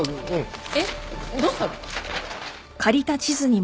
えっどうしたの？